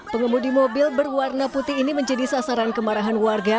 pengemudi mobil berwarna putih ini menjadi sasaran kemarahan warga